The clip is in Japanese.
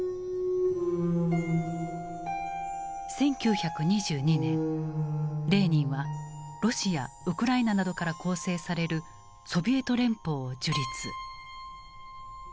１９２２年レーニンはロシアウクライナなどから構成されるソビエト連邦を樹立。